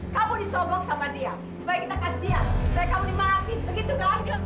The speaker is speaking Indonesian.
kamu disobong sama dia supaya kita kasihan supaya kamu dimahami begitu gagal